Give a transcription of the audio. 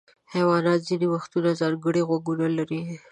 حیوانات ځینې وختونه ځانګړي غوږونه لري.